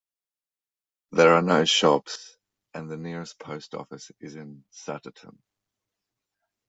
There are no shops, and the nearest post office is in Sutterton.